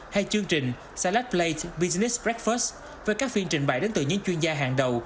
hay chương trình salad plate business breakfast với các phiên trình bày đến từ những chuyên gia hàng đầu